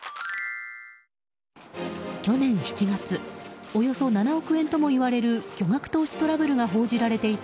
去年７月およそ７億円ともいわれる巨額投資トラブルが報じられていた